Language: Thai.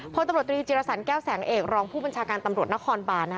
พลตำรวจตรีจิรสันแก้วแสงเอกรองผู้บัญชาการตำรวจนครบาน